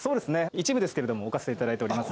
一部ですけれども置かせていただいております。